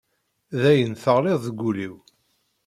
Dayen, teɣliḍ deg ul-iw.